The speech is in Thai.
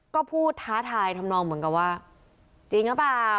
ก็พูดท้าทายทำนองเหมือนกับว่าจริงหรือเปล่า